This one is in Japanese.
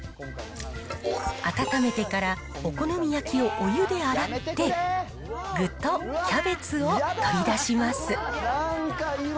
温めてから、お好み焼きをお湯で洗って、具とキャベツを取り出します。